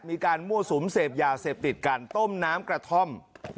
มีการมั่วสุมเสพยาเสพติดกันต้มน้ำกระท่อม